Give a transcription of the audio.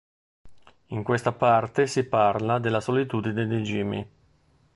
In questa parte si parla della solitudine di Jimmy.